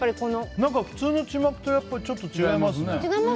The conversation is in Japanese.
普通のちまきとちょっと違いますね。